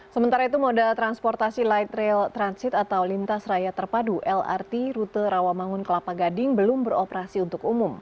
sementara itu moda transportasi light rail transit atau lintas raya terpadu lrt rute rawamangun kelapa gading belum beroperasi untuk umum